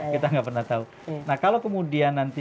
kita nggak pernah tahu nah kalau kemudian nanti